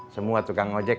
semua tukang ojek